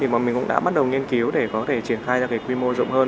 bọn mình cũng đã bắt đầu nghiên cứu để có thể triển khai ra cái quy mô rộng hơn